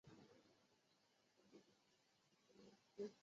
储存区域网络是一种连接外接存储设备和服务器的架构。